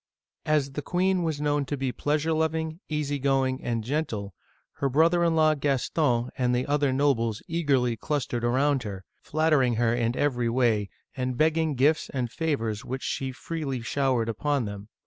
As the queen was known to be pleasure loving, easy going, and gentle, her brother in law Gaston and the other nobles eagerly clustered around her, flattering her in every way, and begging gifts and favors which she freely show ered upon them.